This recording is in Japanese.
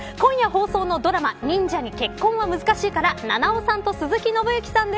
今夜、放送のドラマ忍者に結婚は難しいから菜々緒さんと鈴木伸之さんです。